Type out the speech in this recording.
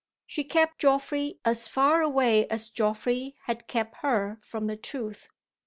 She kept Geoffrey as far away as Geoffrey had kept her from the truth.